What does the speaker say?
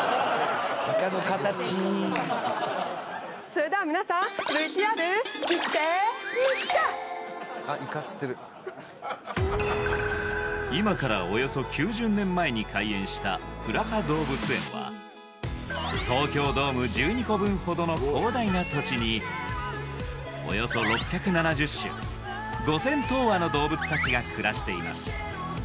それでは皆さんあっイカっつってる今からおよそ９０年前に開園したプラハ動物園は東京ドーム１２個分ほどの広大な土地におよそ６７０種５０００頭羽の動物達が暮らしています